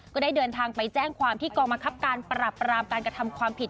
ก็ได้เดินทางไปแจ้งความที่กองบังคับการปรับรามการกระทำความผิด